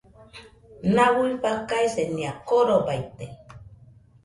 Nau fakaisenia korobaite